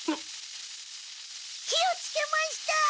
火をつけました！